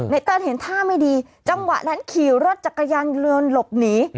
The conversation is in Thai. ไนเติลเห็นท่าไม่ดีจังหวะนั้นขี่รถจากกระยังเรือนหลบหนี